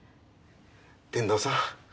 天堂さん